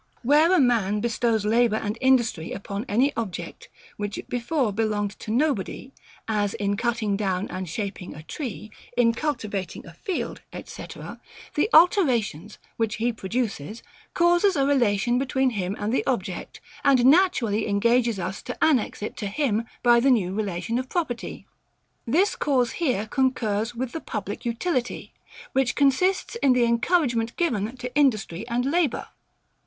Where a man bestows labour and industry upon any object, which before belonged to no body; as in cutting down and shaping a tree, in cultivating a field, &c., the alterations, which he produces, causes a relation between him and the object, and naturally engages us to annex it to him by the new relation of property. This cause here concurs with the public utility, which consists in the encouragement given to industry and labour.